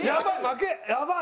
やばい！